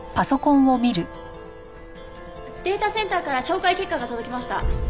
データセンターから照会結果が届きました。